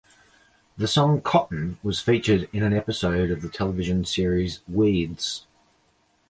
The song "Cotton" was featured in an episode of the television series "Weeds".